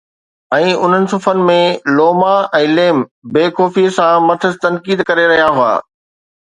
۽ انهن صفحن ۾، لوما ۽ ليم بي خوفيءَ سان مٿس تنقيد ڪري رهيا هئا